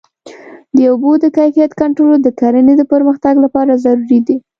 د اوبو د کیفیت کنټرول د کرنې د پرمختګ لپاره ضروري دی.